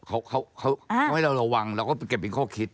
เขาให้เราระวังเราก็เก็บเป็นข้อคิด